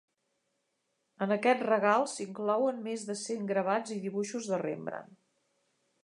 En aquest regal s'inclouen més de cent gravats i dibuixos de Rembrandt.